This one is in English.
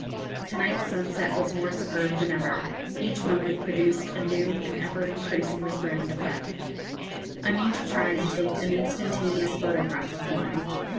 To night's sunset was more superb than ever. Each moment produced a new and ever increasingly grand effect. I mean to try and take an instantaneous photograph of one.